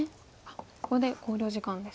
ここで考慮時間です。